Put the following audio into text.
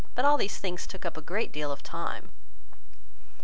But all these things took up a great deal of time."